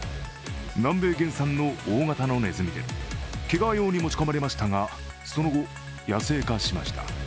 南米原産の大型のネズミで毛皮用に持ち込まれましたが、その後、野生化しました。